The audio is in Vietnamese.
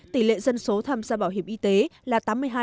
tỷ lệ dân số tham gia bảo hiểm y tế là tám mươi hai